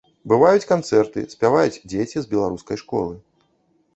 Бываюць канцэрты, спяваюць дзеці з беларускай школы.